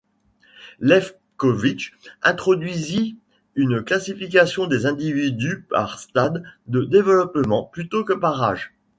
Lefkovich introduisit une classification des individus par stades de développement plutôt que par âge.